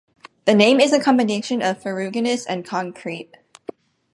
The name is a combination of "ferruginous" and "concrete".